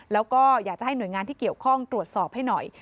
แล้วก็อยากจะให้หน่วยงานที่เกี่ยวข้องตรวจสอบให้หน่อย